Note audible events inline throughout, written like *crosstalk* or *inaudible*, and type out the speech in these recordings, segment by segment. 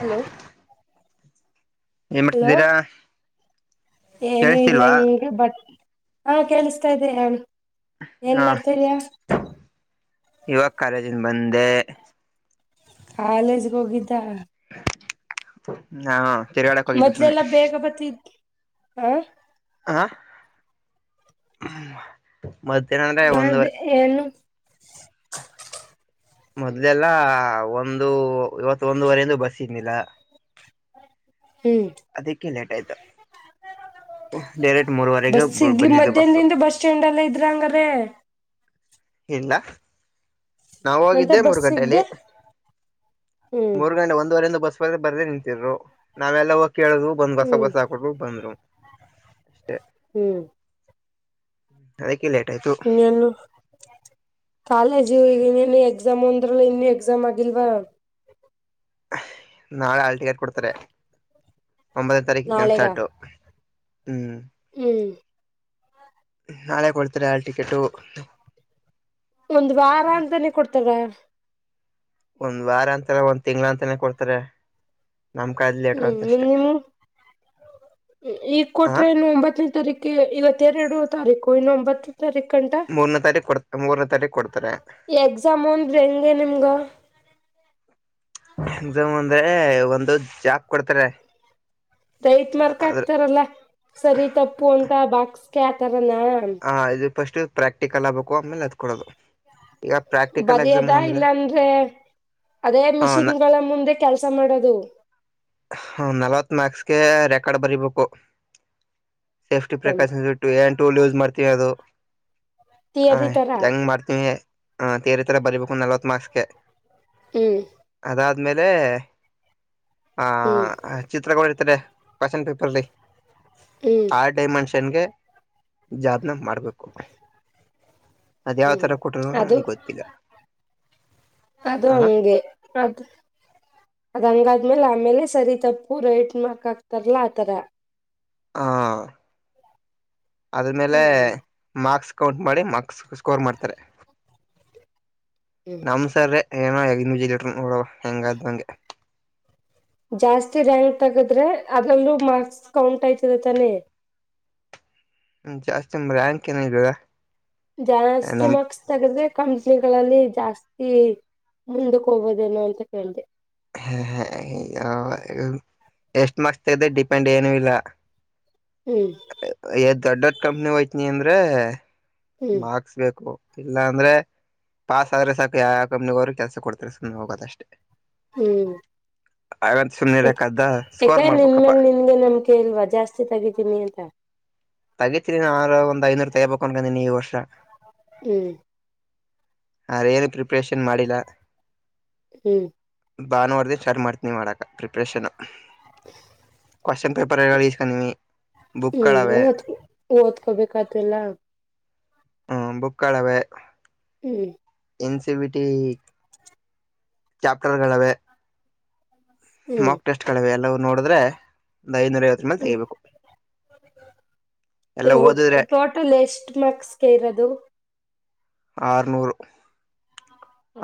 hello ಏನ್ hello ಮಾಡ್ತಿದ್ದೀರಾ ಏನುೂ ಇಲ್ಲ ಕೇಳಿಸ್ತಿಲ್ವಾ ಹಂಗೆ ಬಟ್ ಹಾ ಕೇಳಿಸ್ತಾ ಇದ್ದೀಯಾ ಹಾ ಯುವಾಗ ಕಾಲೇಜಿನ ಬಂದೆ ಕಾಲೇಜ್ಗೆ ಹೋಗಿದ್ದ ಹಾ ತಿರ್ಗಾಡಕ್ ಹೋಗಿದ್ದು ಸುಮ್ನೆ ಮೊದ್ಲೆಲ್ಲಾ ಬೇಗ ಬತ್ತ ಹ ಆ ಮತ್ತನರ ಯಾವ್ದ ಒಂದುವರೆ ಏನು ಮೊದ್ಲೆಲ್ಲಾ ಒಂದು ಇವತ್ತ ಒಂದುವರೆಂದು ಬಸ್ ಇನಿಲ್ಲ ಹ್ಮ್ ಅದಕ್ಕೆ ಲೇಟ್ ಆಯ್ತು ಡೈರೆಕ್ಟ್ *unintelligible* ಮೂರುವರೆಗೆ ಬಸ್ ಸಿಗ್ಲಿ ಬಂದಿದ್ದು ಬಸ್ಸು ಮಧ್ಯಾಹ್ನದಿಂದ ಬಸ್ ಸ್ಟ್ಯಾಂಡ್ ಎಲ್ಲ ಇದ್ರ ಹಂಗಾದ್ರೆ ಇಲ್ಲ ನಾವು ಮತ್ತೆ ಹೋಗಿದ್ದೆ ಮೂರು ಬಸ್ ಗಂಟೆಯಲ್ಲಿ ಸಿಗ್ದೆ ಹ್ಮ್ ಮೂರು ಗಂಟೆ ಒಂದೂವರೆಂದು ಬಸ್ ಬರ್ದೇ ನಿಂತಿದರು ನಾವೆಲ್ಲಾ ಹೋಗ ಕೇಳಿದ್ರು ಬಂದ್ ಬಸ ಹ್ಮ್ ಬಸ ಹಾಕೋ್ರು ಬಂದ್ರು ಅಷ್ಟೇ ಹ್ಮ್ ಹಾಗ ನನು ಕಾಲೇಜ ಈಗನು ಹೆಜ ಎಸಾಮ ಒಂದ್ರಲ್ಲ ಇನ್ನ ಎಕ್ಸಾಮ್ ಆಗಿಲ್ವಾ ನಾಳೆ ಹಲ್ಟಿಕೆಟ್ ಕೊಡ್ತಾರೆ ಒಂಬತ್ತನೇ ತಾರೀಕ ನಾಳೆಗ ಸ್ಟಾರ್ಟು ಹ್ಮ್ ಹ್ಮ್ ನಾಳೆ ಕೊಡ್ತೀರ ಆ ಟಿಕೆಟು ಒಂದ್ ವಾರ ಅಂತಾನೆ ಕೊಡ್ತಾರ ಒಂದ್ ವಾರ ಅಂತಲ್ಲ ಒಂದ್ ತಿಂಗ್ಗಳ ಅಂತನೆ ಕೊಡ್ತಾರೆ ನಮ್ ಕಾಲದ ಲೇಟರ್ ಅಂತ ಹ್ಮ್ ಅಷ್ಟೇ ನೀವು ಈಗ ಹ ಕೊಟ್ರೆ ನ್ನು ಒಂಬತ್ತನೇ ತಾರೀಕ ಇವತ್ತು ಹತ್ತರ ಎರಡು ತಾರೀಕು ಇನ್ನು ಒಂಬತ್ತು ತಾರೀಖು ಕಂಟ ಮೂರನ ತಾರ ಕೊಡ್ತಾರೆ ಎಕ್ಸಾಮ್ ಹೆಂಗೆ ನಿಮ್ಗ ಎಕ್ಸಾಮ್ ಅಂದ್ರೆ ಒಂದು ಜಾಬ್ ಕೊಡ್ತಾರೆ ದೈತ್ ಮಾರ್ಕ ಅದ್ರ ಹಾಕ್ತಾರಲ್ಲ ಸರಿ ತಪ್ಪು ಅಂತ ಬಾಕ್ಸ್ಕ ಆತರ ಹ ಇದು ಫಸ್ಟ್ ಪ್ರಾಕ್ಟಿಕಲ್ ಆಗ್ಬೇಕು ಆಮೇಲೆ ಅದ ಕೊಡೋದು ಈಗ ಪ್ರಾಕ್ಟಿಕಲ್ ಎಕ್ಸಾಮ್ ಬರಿ್ಯದ ಅಂದ್ರೆ ಇಲ್ಲಾಂದ್ರೆ ಅದೇ ಹ ಮಿಷಿನ್ಗಳ ಮುಂದೆ ಕೆಲಸ ಮಾಡೋದು ಹ ನಲ್ವತ್ ಮಾರ್ಕ್ಸ್ಗೆ ರೆಕಾರ್ಡ್ ಬರಿಬೇಕು ಸೇಫ್ಟಿ ಪ್ರಿಕಾಷನ್ಸ್ ಬಿಟ್ಟು ಏನ್ ಟೂಲ್ ಯೂಸ್ ಮಾಡ್ತೀವಿ ಅದು ಹ ತಿಯರಿ ತರ ಹೆಂಗ್ ಮಾಡ್ತೀವಿ ಹ ತೇರೆ ತರ ಬರಿಬೇಕು ನಲ್ವತ್ ಮಾರ್ಕ್ಸ್ಗೆ ಹ್ಮ್ ಅದಾದ್ಮೇಲೆ ಆ ಹ್ಮ್ ಚಿತ್ರಕ ಪಸೆಂಟ್ ಪೇಪರ್ ಹ್ಮ್ ಆ ಡೈಮೆನ್ಷನ್ಗೆ ಜಾದನ ಮಾಡ್ಬೇಕು ಹ್ಮ್ ಅದ್ಯಾವ್ಥರ ಕೊಟರು ಅದು ನಮ್ಗ್ಗೆ ಗೊತ್ತಿಲ್ಲ ಅದು ಹ ಹಂಗೆ ಅದು ಅದ ಹಂಗ ಆದ್ಮೇಲೆ ಆಮೇಲೆ ಸರಿ ತಪ್ಪು ರೈಟ್ ಮಾರ್ಕ್ ಹಾಕ್ತಾರಲ್ಲಾ ಆತರ ಹಾ ಅದ್ಮೇಲೆ ಹ್ಮ್ ಮಾರ್ಕ್ಸ್ ಕೌಂಟ್ ಮಾಡಿ ಮಕ್ ಸ್ಕೋರ್ ಮಾಡ್ತಾರೆ ಹ್ಮ್ ನಮ್ಸರ್ರೇ ಏನೋ ಎಗ ನಿಜಿ ಲೀಟ್ರ ನೋಡವ ಹೆಂಗಾದ್ ನಂಗೆ ಜಾಸ್ತಿ ರ್ಯಾಂಕ್ ತಗದ್ರೆ ಅದ್ರಲ್ಲೂ ಮಾರ್ಕ್ಸ್ ಕೌಂಟ್ ಆಯ್ತದೆ ತಾನೆ ಜಸ್ತಿ ಮರನಕ್ಕೆನ ಜ ಜಾಸ್ತಿ ಮಾರ್ಕ್ಸ್ ತಗದ್ರೆ ಕಂಪನಿಗಳಲ್ಲಿ ಜಾಸ್ತಿ ಮುಂದಕ್ಕೆ ಹೋಗಬೋದೇನೋ ಅಂತ ಕೇಳಿದೆೆ ಹ ಹ ಎಷ್ಟ್ ಮಾರ್ಕ್ಸ್ ತಗದೆ ಡಿಪೆಂಡ್ ಏನುೂ ಇಲ್ಲ ಹ್ಮ್ ಎದ್ ದೊಡ್ ದೊಡ್ ಕಂಪ್ನಿ ಹಯ್ತನಿ ಅಂದ್ರೆ ಹ್ಮ್ ಮಾರ್ಕ್ಸ್ ಬೇಕು ಇಲ್ಲ ಅಂದ್ರೆ ಪಾಸ್ ಆದ್ರೆ ಸಾಕು ಯಾವ ಕಂಪ್ನಿ ಅವರು ಕೆಲ್ಸ ಕೊಡ್ತಾರೆ ಸುಮ್ ಹೋಗದಷ್ಟೆ ಹ್ಮ್ ಆಂತ ಸು್ನೆಲೆಕ್ಕ್ದ ಯಾಕಾ ನಿನ್ ಮೇಲ್ ನಿನ್ಗೆ ನಮ್ಕೆ ಇಲ್ವಾ ಜಾಸ್ತಿ ತಗಿತೀನಿ ಅಂತ ತಗಿತೀರಿ ನ ಆ ಒಂದ್ ಐನೂರ್ ತಗಬೇಕಕ್ನ್ಕಂದೀನ ಈ ವರ್ಷ ಹ್ಮ್ ಆರೇನು ಪ್ರಿಪರೇಷನ್ ಮಾಡಿಲ್ಲ ಹ್ಮ್ ಬಾ ನೋರ್ದಿ ಚಾರರ್ ಮಾಡ್ತನಿ ಮಾಡಾಕ ಪ್ರಿಪ್ರೇಷನ್ ಕ್ವಶ್ನ್ ಪೇಪರ್ಸ್ಕನವಿ ಬುಕ್ಗಳು ಅವೆ ಓದ್ಕೊಬೇಕ ಆತಲ್ಲ ಹ್ಮ ಬುಕ್ಕಳವೆೇ ಹ್ಮ್ ಎನ್ಸಿಬಿಟಿ ಕ್ಯಾಪ್ಟನಗಳವೆೇ ಹ್ಮ್ ಮಕ್ ಟೆಸ್ಟ್ ಕಿವೆ ಎಲ್ಲ ನೋಡಿದ್ರೆ ಒಂದ್ ಐನೂರ ಐವತ್ತುಮಲ್ ಹ್ಮ್ ತೆಗಬೇಕು ಟೋಟಲ್ ಎಷ್ಟ ಮಾರ್ಕ್ಸ್ಗೆ ಇರದು ಆರನೂರು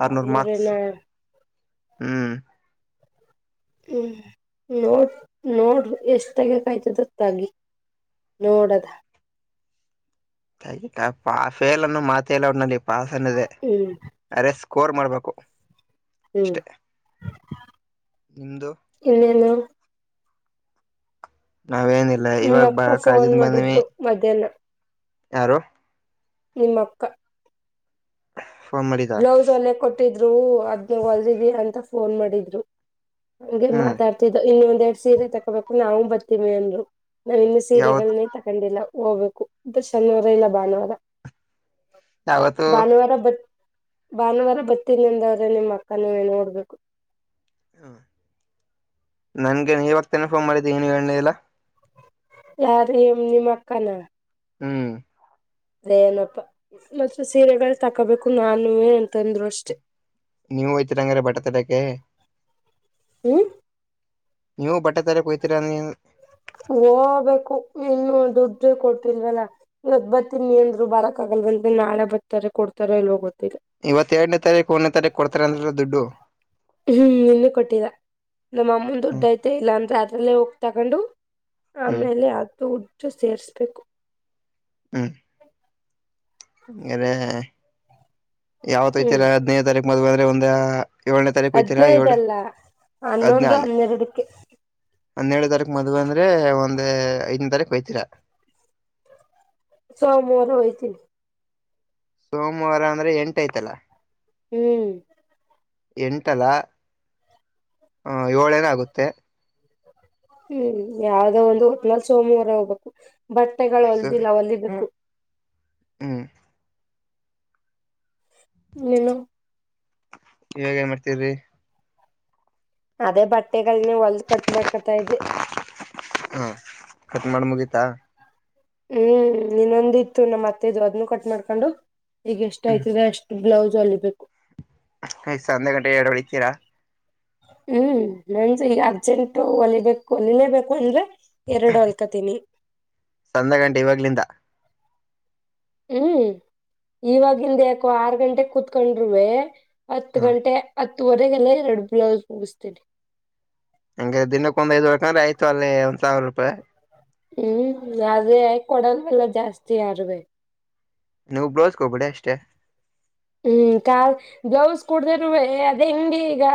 ಅ ನೂರುನ್ನ ಹ್ಮ್ ಹ್ಮ್ ನೋಡ್ ನೋಡ್ ಎಷ್ಟ ತಗಕಾಯ್ತದ ತಗಿ ನೋಡದ ಹಾಗ ಪಫೇಲ್ ಅನ್ನು ಮಾತಲ್ಲ ಉಲ್ಲಿ ಪಸ್ ಅನ ಇದೆ ಹ್ಮ್ ಅ ರಕ್ ಸ್ಕೋರ್ ಮಾಡಬೇಕು ಹ್ಮ್ ನಿಮ್ದು ಇನ್ನನ್ನು ನಾವೇನಿಲ್ಲ ನಿಮ್ಮ ಇವಾಗ ಬ ಅಕ್ಕ ಫೋನ್ ಮಾಡಿದ್ರು ಮಧ್ಯಾಹ್ನ ಯಾರೋ ನಿಮ್ಮಕ್ಕ ಫೋನ್ ಮಾಡಿದ ಬ್ಲೌಸ್ ಒಲ್ಲೆ ಕೊಟ್ಟಿದ್ರು ಅದ್ನಾಗ ಹೊಲ್ದಿವವಿ ಅಂತ ಫೋನ್ ಮಾಡಿದ್ರು ಹಂಗೆ ಹ್ಮ್ ಮಾತಾಡ್ತಿದ್ದ ಇನ್ನೊಂದೆ ಎರಡ್ ಸೀರೆ ತಕೋಬೇಕು ನಾವವು ಬರ್ತೀವಿ ಅನ್ರು ನಾವ್ ಇನ್ನು ಯಾವತ್ ಸೀರೆಗಳನ್ನೇ ತಕೊಂಡಿಲ್ಲ ಹೋಗ್ಬೇಕು ಇದು ಶನಿವಾರ ಇಲ್ಲ ಭಾನುವಾರ ಯಾವತ್ತು ಭಾನುವಾರ ಬ ಭಾನುವಾರ ಬತಿದಂದವ್ರೆ ನಿಮ್ಮ ಅಕ್ಕ ನೀವೇ ನೋಡ್ಬೇಕು ಹ್ಮ ನನ್ಗೆ ಇವಾಗತೇನೆ ಫೋನ್ ಮಾಡಿದ್ದೀ ನೀ ನೀ ಎಣ್ಣೆ ಇಲ್ಲ ಯಾರೀ ನಿಮ್ಮ ಅಕ್ಕಾನ ಹ್ಮ್ ಅದೇ ಏನಪ್ಪಾ ಮತ್ತ ಸೀರೆಗಳು ತಕೋಬೇಕು ನಾನುೇ ಅಂತಂದ್ರು ಅಷ್ಟೆ ನೀವು ಯ್ತಿೀರಂಗ್ರ ಬಟತಲಕ್ಕೆ ಹ್ಮ ನೀವು ಬಟ್ಟೆ ತಲೆ ಹಯ್ತೀರಾ ನೀ ಹೋಗ್ಬೇಕು ಇನ್ನು ದುಡ್ಡ ಕೊಟ್ಟಿಲ್ವಲ್ಲ ಇದ್ಬತ್ತಿನಿ ಅಂದ್ರು ಬರಕ ಆಗ ಇ ಬಂತ ನಾಳೆ ಬರ್ತಾರೆ ಕೊಡ್ತಾರೆ ಇಲ್ಲಿಗೊತ್ತ ಇವತ್ತೆರಡನೇ ತಾರೀಕು ಒಂದನೇ ತಾರೀಕು ಕೊಡ್ತಾರೆ ಅಂದ್ರೆ ದುಡ್ಡು ಹ್ಮ್ ಇನ್ನ ಕೊಟ್ಟಿದ ನಮ್ಮ ಅಮ್ಮನ್ ದುಡ್ಡ ಹ್ಮ್ ಐತೆ ಇಲ್ಲ ಅಂದ ಅದ್ರಲ್ಲೇ ಹೋಗ್ ತಗೊಂಡು ಹ್ಮ್ ಆಮೇಲೆ ಅದು ಉಡ್ಜು ಸೇಸ್್ಬೇಕು ಹ್ಮ ಹಾರೆ ಹ್ಮ್ ಯಾವತ್ತಲ್ಲ ಹದ್ನದು ತಾರೀಕು ಮದ್ುವೆ ಅಂದ್ರೆ ಒಂದ ಏಳನೇ ತಾರೀಕು ವಯ್ತೀರಾ ಏಳು ಹದ್ನೈದಲ್ಲ ಹನ್ನೊಂದು ಅದ್ಞಾನೆ ಹನ್ನೆರಡಕ್ಕೆ ಹಂದೇಳು ತಾರೀಕ್ ಮದ್ುವೆ ಅಂದ್ರೆ ಒಂದ ಐದನ ತಾರೀಕ ಬೈತೀರ ಸ ಮದ ವತಿ ಸೋಮವಾರ ಅಂದ್ರೆ ಎಂಟ ಐ್ತಲ್ಲ ಹ್ಮ್ ಎಂಟಲ್ಲ ಹ ಏಳೇನ ಆಗುತ್ತೆ ಹ್ಮ್ ಯಾವ್ದೋ ಒಂದು ಹನಾಲ್ ಸೋಮವಾರ ಹೋಗ್ಬೇಕು ಬಟ್ಟೆಗಳು ಸೊ ಹೊಲ್ದಿಲ್ಲ ಒಲಿದರು ಹ್ಮ್ ನನು ಇವಾಗ ಏನ್ ಮಾಡ್ತಿದ್ರಿ ಅದೇ ಬಟ್ಟೆಗಳನೆ ಹೊಲ್ದ ಕಟ್ ಮಾಡ್ಕೊತಾ ಇದ್ದೆ ಹಾ ಕಟ್ ಮಾಡ ಮುಗೀತಾ ಹ್ಮ್ ಇನ್ನೊಂದ ಇತ್ತು ನಮ್ಮ ಮತ್ತೆದು ಅದನ್ನು ಕಟ್ ಮಾಡ್ಕೊಂಡು ಈಗ ಎಷ್ಟ ಯ್ತಿದ್ರ ಅಷ್ಟು ಬ್ಲೌಸ್ ಅಲಿಬೇಕು ಸಂಧೆ ಗಂಟೆ ಎರಡು ಹೊಳತೀರಾ ಹ್ಮ್ ನಂಜ ಈಗ ಅರ್ಜೆಂಟು ಹೊಲಿಬೇಕು ನಿಲೇಬೇಕು ಅಂದ್ರೆ ಎರಡು ಅಲ್ಕತೀನಿ ಸಂಜೆ ಗಂಟೆ ಇವಾಗ್ಲಿಂದ ಹ್ಮ್ ಇವವಾಗಿಂದ ಯಾಕೋ ಆರ್ ಗಂಟೆ ಕುೂತ್ಕೊಂಡ್ ಹತ್ತು ಹಾ ಗಂಟೆ ಹತ್ತುವರೆಗೆಲ್ಲ ಎರಡು ಬ್ಲೌಸ್ ಮುಗಿಸ್ತೀ ಹಂಗ ದಿನಕ್ಕೆ ಒಂದ್ಐದ್ವರ್ಕಂದ್ರೆ ಆಯ್ತು ಅಲ್ಲಿ ಒಂದ್ ಸಾವಿರ ರೂಪಾಯಿ ಹ್ಮ್ ಅದೇ ಕೊಡಲ್ವೆಲ್ಲ ಜಾಸ್ತಿ ಆರವೆೇ ನೀವು್ ಬ್ಲೌಸ್ಗೆ ಹೋಗ್ಬಿಡ ಅಷ್ಟೇ ಹ್ಮ್ ಕ ಬ್ಲೌಸ್ ಕುಡ್ದರುವರುವೆ ಅದೇ ಹಂಗಂಡಿ ಈಗ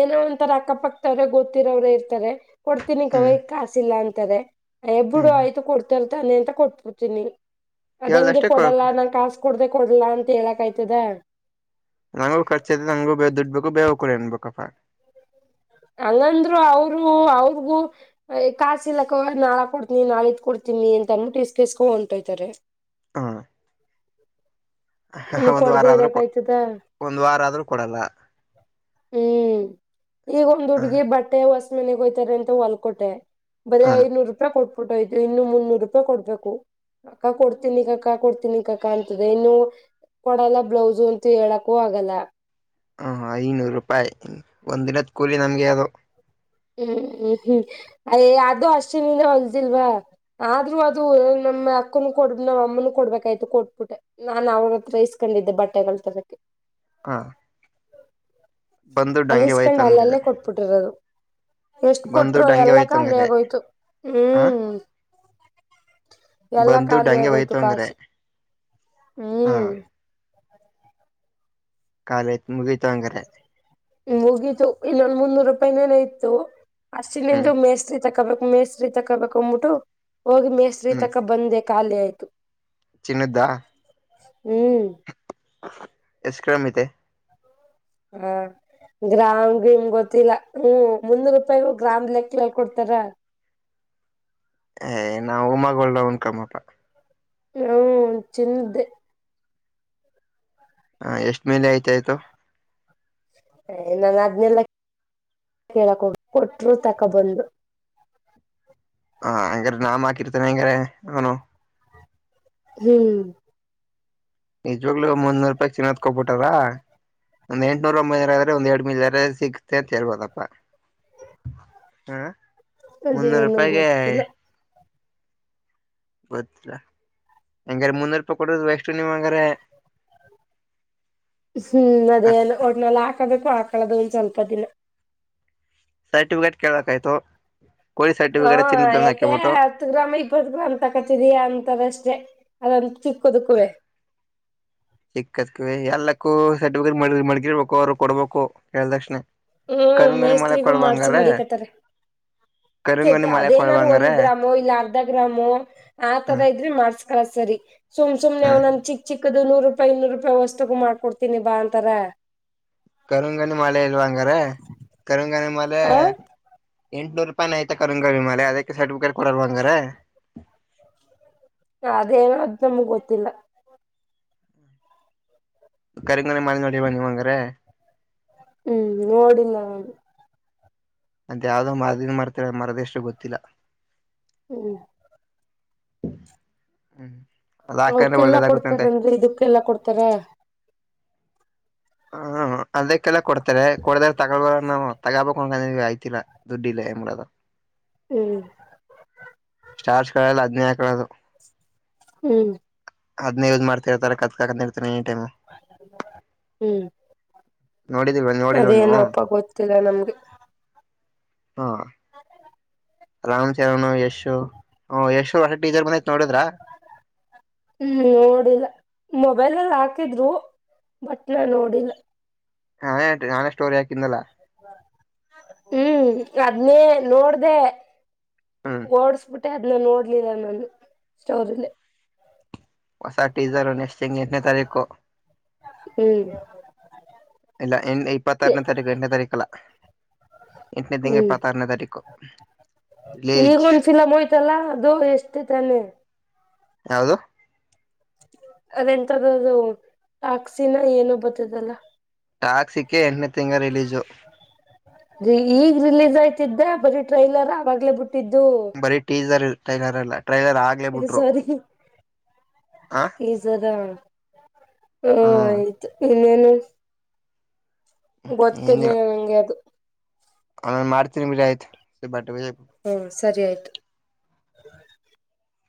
ಏನೋ ಒಂತರ ಅಕ್ಕಪಕ್ತ ಗೊತ್ತಿರೋ ಅವ್ರೇ ಇರ್ತಾರೆ ಕೊಡ್ತೀನಿ ಹ್ಮ್ ಕವಯ ಕಾಸಿಲ್ಲ ಅಂತಾರೆ ಎಬ್ಬಡು ಹ್ಮ್ ಆಯ್ತು ಕೊಡ್ತರ್ತಾನೆ ಅಂತ ಕೊಟ್ಬಡ್ತೀನಿ ಅದ ಹೆಂಗಗೆ ಕೇಳ್ದಷ್ಟೇ ಕೊ ಕೊಡಲ್ಲ ನನ್ ಕಾಸ ಕುೂಡ್ದ ಕೊಡಲ್ಲ ಅಂತ ಹೇಳಕ್ಯ್ತದ ನಂಗು ಖರ್ಚ ಐತೆ ನಂಗು ಬೇ ದುಡ್ಬೇಕೇಕು ಬೇವ ಕೂಡ ಅನ್ಬೇಕಪ್ಪ ಹಂಗಂದ್ರು ಅವರು ಅವ್ರಗೂ ಕಾಸಿಲಕ್ಕ ಅವ ನಾಳ ಕೊಡ್ತನಿ ನಾಳ ಇದ ಕೊಡ್ತೀನಿ ಮನ್ ತನ್ನು ತಸ್ಕಸ್ಕೊ ಉಂಟ್ತಾರೆ ಹ್ಮ್ ಒಂದ್ ವಾರ ಆದ್ರೂ ಕೊ ಆಯ್ತದ ಒಂದ್ ವಾರ ಆದ್ರೂ ಕೊಡಲ್ಲ ಹ್ಮ್ ಈಗ ಒಂದ್ ಹ ಹುಡ್ಗಿ ಬಟ್ಟೆ ಹೊಸ್ ಮನೆಗೋಯ್ತಾರೆ ಅಂತ ಹೊಲ್ಕೊಟೆ ಬರೇ ಹ ಐದನೂರು ರೂಪಾಯಿ ಕೊಟ್ಬಿಟ್ಟು ಆಯತು ಇನ್ನು ಮುನ್ನೂರು ರೂಪಾಯಿ ಕೊಡ್ಬೇಕು ಅಕ್ಕ ಕೊಡ್ತೀನಿ ಕಕ್ಕಾ ಕೊಡ್ತೀನಿ ಕಾಕ್ಕ ಅಂತದೆ ಇನ್ನು ಕೊಡಲ್ಲ ಬ್ಲೌಸು ಅಂತ ಹೇಳಕೂ ಆಗಲ್ಲ ಹ ಐನೂರು ರೂಪಾಯಿ ಒಂದಿನದ ಕೂಲಿ ನಮ್ಗೆ ಅದೋ ಹ್ಮ್ ಹ್ಮ್ ಹ್ಮ್ ಅಯ ಅದು ಅಷ್ಟಿನಿಂದ ಹೊಲ್ದಿಲ್ವಾ ಆದ್ರೂ ಅದು ನಮ್ಮ ಅಕ್ಕನು ಕೊಡ್ಬ ನಾವ್ ಅಮ್ಮನು ಕೊಡ್ಬೇಕಾಯ್ತು ಕೊಟ್ಬಿಟ್ಟೆ ನಾನನ್ ಅವ್ರ ಹತ್ರ ಇಸ್ಕೊಂಡಿದ್ದೆ ಬಟ್ಟೆಗಳ ತರಕ್ಕೆ ಹಾ ಅಲ್ಲಿಸ್ಕೊಂಡ್ ಅಲ್ಲಲ್ಲೇ ಅಂದ್ಬಿಟ್ಟಿದ್ದಾರೆ ಕೊಟ್ಬಿಟ್ಟಿರದು ಎಷ್ಟ ಬಂದು ಕೊಟ್ರು ಡಂಗೆ ಎಲ್ಲ ಹೋಯ್ತು ಖಾಲಿ ಹಂಗಾರೆ ಆಗೋಯ್ತು ಹ ಹ್ಮ್ ಎಲ್ಲ ಖಾಲಿ ಯಾಗೋಯ್ತು ಕಾಸು ಹಾ ಹ್ಮ್ ಕಾಲೇಜ್ ಮುಗಿತ ಅಂಗದ್ರೆ ಮುಗಿತು ಇನ್ನೊಂದು ಮುನ್ನೂರು ರೂಪಾಯಿನೇನ ಇತ್ತು ಅಷ್ಟಿನ ಹ್ಮ್ ನಿಂದು ಮೇಸ್ತ್ರಿ ತಕೋಬೇಕು ಮೇಸ್ರಿ ತಕಬೇಕ್ಬಿಟ್ಟು ಹೋಗಿ ಮೇಸ್ರಿ ತಕ ಬಂದೆ ಖಾಲಿ ಆಯ್ತು ಚನ್ನದ್ದಾ ಹ್ಮ್ ಎಷ್ಟ ಕ್ರಮ ಐತೆ ಹ್ಮ ಗ್ರಾಮ್ಗೆ ನಿಮ್ ಗೊತ್ತಿಲ್ಲ ಹ್ಮ್ ಮುನ್ನೂರು ರೂಪಾಯಿಗ ಗ್ರಾಮ್ ಲೆಕ್ಕಲ್ ಕೊಡ್ತಾರ ಏ ನಾ ಉಮಗಡ ಉಂದಕಮ್ಮಪ್ಪ ಹ್ಮ್ ತಿಂದೆ ಹ ಎಷ್ಟ್ಮೇಲೆ ಆಯ್ತ ಆಯ್ತೋ ನನ್ ಅದ್ನೆಲ್ಲ ಕೇಳಕ್ ಕೊಟ್ಟರು ತಕೊ ಬಂದು ಹ ಹಂಗಾರೆ ನಾಮ್ ಹಾಕಿರ್ತೇನೆ ಹಂಗಾರೆ ಅವನು ಹ್ಮ್ ನಿಜವಾಗ್ಲು ಮುಂದ ನೂರು ರೂಪಾಯಿ ಚಿನ್ನೋದಕೋಗ್ಬಿಟಾರ ಒಂದ್ ಎಂಟಟ್ನೂರ ಒಂಬೈ ಜರ ಆದ್ರೆ ಒಂದ್ ಎರಡ್ದ ರಜೆ ಸಿಗುತ್ತೆ ಅಂತ ಹೇಳ್ಬೋದಪ್ಪಾ ಹಾ ಮುನ್ನೂರು ಅದೇನು ರೂಪಾಯಗೆ ಗೊತ್ತಿಲ್ಲ ಗೊತ್ತಿಲ್ಲಾ ಹೆಂಗಾರ ಮುನ್ನೂ ರೂಪಾಯಿ ಕೊಡದ್ ಎಷ್ಟು ನೀವ್ ಹಂಗಾರ ಹ್ಮ್ ಅದೇ ಒಟ್ನೆಲ್ಲ ಹಾಕದಕ್ಕೂ ಹಾಕ್ ಕಳೆದ ಒಂದ್ ಸ್ವಲ್ಪ ದಿನ ಸರ್ಟಿಫಿಕೇಟ್ ಕೇಳಕ್ ಆಯ್ತು ಹ ಯಾಕೆ ಹತ್ತು ಗ್ರಾಮ್ ಇಪ್ಪತ್ತು ಗ್ರಾಮ್ ತಕತಿದೀಯ ಅಂತದಷ್ಟೇ ಅದಂತ ಚಿಕ್ಕ ಕುದುಕುವೆ ಇ ಎಲ್ಲಕ್ಕೂ ಸರ್ಟಿಫಿಕೇಟ್ ಮಡ್ಗಿರ್ಬೇಕು ಅವ್ರು ಕೊಡ್ಬೇಕು ಹೇಳ ತಕ್ಷಣ ಹ್ಮ್ ಮೇಸ್ತ್ರಿಗೂ ಮಾಡ್ಸಿ ಮಾಡಡಿಕತ್ತಾರೆ ಸ ಕರಿಂಗನಿ ಮಳೆ ಅದೇನಾದ್ರು ಒಂದ್ ಕೊಡ್ಬಂಗಾರೆ ಗ್ರಾಮು ಇಲ್ಲ ಅರ್ಧ ಗ್ರಾಮು ಆ ಹ ತರ ಇದ್ರೆ ಮಾಡ್ಸ ಸರಿ ಸುಮ್ ಸುಮನೆ ಹ ಅವ್ ನ ಚಿಕ್ ಚಿಕ್ ಹದು ನೂರು ರೂಪಾಯಿ ಇನ್ನೂರು ರೂಪಾಯಿ ವಸ್ತುಗು ಮಾಡ್ಕೊಡ್ತೀನಿ ಬಾ ಅಂತರ ಕರುಂಗಣಿ ಮಲೆ ಇಲ್ವಾ ಹಂಗಾರ ಕರುಂಗನಿ ಮಲೆೆ ಆ ಎಂಟುನೂರು ರೂಪಾಯಿ ಆಯ್ತ ಕಂಗಮಾಲ ಅದಕ್ಕೆ ಸರ್ಟಿಫಿಕೇಟ್ ಕೊಡರ್ವಾಂಗ್ರ ಅದೇನ ಅ ನಮ್ಗ್ ಗೊತ್ತಿಲ್ಲ ಕರಿಂಗಣಿ ಮಾಲೆ ನೋಡಿ ಬನ್ನಿವಂಗ್ರೆ ಹ್ಮ್ ನೋಡಿಲ್ಲ ನು ಅಂತ ಯಾವ್ದೋ ಮರದನ್ ಮರ್ತರ ಮರದ ಎಷ್ಟು ಗೊತ್ತಿಲ್ಲ ಹ್ಮ್ ಹ್ಮ್ ಅದ್ ಹಾಕಂದ್ರೆ ಅವ್ಕಲ್ಲಾ ಒಳ್ಳೇದಾಗುತ್ತಂತೆ ಕೊಡ್ತಾರನ್ರಿ ಇದಕ್ಕೆಲ್ಲಾ ಕೊಡ್ತಾರ ಹ ಅದಕ್ಕೆಲ್ಲ ಕೊಡ್ತಾರೆ ಕೊಡದ್ರ ತಗೊಬ ನಾವು ತಗಬ ಅಯ್ತಿಲ್ಲ ದುಡ್ದುಯಿದೆ ಏನ್ ಮಾಡೋದು ಹ್ಮ್ ಸ್ಟಾರ್ ಗಳು ಎಲ್ಲಾ ಅದನ್ನೇ ಹಾಕಿಕೊಳೋದು ಹ್ಮ್ ಅದ್ನ ಯೂಸ್ ಮಾಡ್ತಿರ್ತಾರೆ ಕತ್ತಿಗೆ ಅನ್ಕೊಂತೀನಿ ಎನಿ ಟೈಮ ಹ್ಮ್ ನೋಡಿದೀವ ನೋಡಿಲ್ವ ನೀವು ಅದೇನೋಪ್ಪ ಗೊತ್ತಿಲ್ಲ ನಮ್ಗೆ ಹಾ ರಾಮ್ ಚರಣ ಯಶು ಹ ಯಶು ಹೊಸ ಟೀಚರ್ ಬಂದೈತ್ ನೋಡಿದ್ರ ಹ್ಮ್ ನೋಡಿಲ್ಲ ಮೊಬೈಲ್ ಅಲ್ಲಿ ಹಾಕಿದ್ರು ಬಟ್ ನಾನು ನೋಡಿಲ್ಲ ಹಾ ನಾನೆ ಸ್ಟೋರಿ ಯಾಕಿಂದನಲ್ಲ ಹ್ಮ್ ಅದನ್ನೇ ನೋಡ್ದ ಹ್ಮ್ ಹೊಡಿಸಿಬಿಟ್ಟೆ ಅದನ್ನ ನೋಡ್ಲಿಲ್ಲ ನಾನು ಸ್ಟೋರಿಲ್ಲಿ ಹೊಸ ಟೀಜರ್ ನೆಸ್ಟ್ ತಿಂಗಳು ಎಂಟನೇ ತಾರೀಕು ಹ್ಮ್ ಇಲ್ಲ ಇಪ್ಪತ್ತರನೇ ತಾರೀಕು ಎಂಟನೇ ತಾರೀಕಲ್ಲ ಎಂಟನೇ ತಿಂಗ ಹ್ಮ್ ಇಪತ್ತು ಆರನೇ ತಾರೀಖು ರಿಲೀಜ್ ಇತ್ತಲಾ ಅದು ಎಷ್ಟೇ ತಾನೆ ಯಾವದು ಅದೆಂತದದು ಟಾಕ್ಸಿನ ಏನು ಬತ್ತದಲ್ಲ ಟಾಕ್ಸಿಕ್ ಎಂಟನೇ ತಿಂಗಳು ರಿಲೀಸು ಈಗ ರಿಲೀಸ್ ಆಯ್ತಿದ್ದೆ ಬರಿ ಟ್ರೈಲರ್ ಆವಾಗಲೇ ಬಿಟ್ಟ ಬರೀ ಟ್ರಿಜಾರ್ ಟೈಲರ್ ಅಲ್ಲ ಟ್ರೈಲರ್ ಆಗ್ಲೇ ಬಿಟ್ರು ಸಾರಿ ಹ ಹಾ ಆಯ್ತು ಇನ್ನೇನು ಗೊತ್ತಲಿಲ್ಲ ನಂಗೆ ಅದು ಅ ಮಾಡ್ತೀನಿ ಬಿಡು ಆಯ್ತು ಹ್ಮ ಸರಿ ಆಯ್ತು